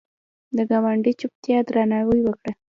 د ګاونډي چوپتیا درناوی وکړه